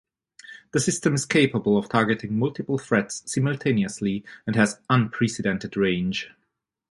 The system is capable of targeting multiple threats simultaneously and has unprecedented range.